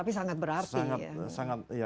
tapi sangat berarti